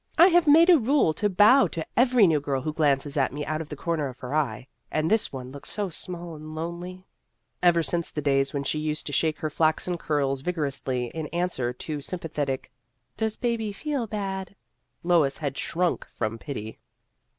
I have made a rule to bow to every new girl who glances at me out of The History of an Ambition 31 the corner of her eye. And this one looked so small and lonely." Ever since the days when she used to shake her flaxen curls vigorously in an swer to sympathetic, " Does baby feel bad ?" Lois had shrunk from pity.